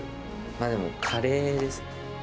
まあでも、カレーですね。